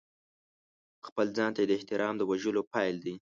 خپل ځان ته د احترام د وژلو پیل دی.